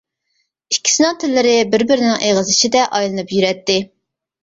ئىككىسىنىڭ تىللىرى بىر-بىرىنىڭ ئېغىزى ئىچىدە ئايلىنىپ يۈرەتتى.